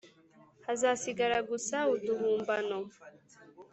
hazasigara gusa uduhumbano,